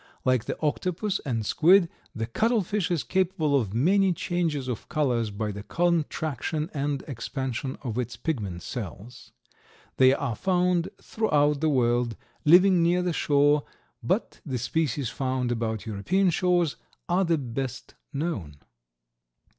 Like the Octopus and Squid, the Cuttle fish is capable of many changes of colors by the contraction and expansion of its pigment cells. They are found throughout the world, living near the shore, but the species found about European shores are the best known.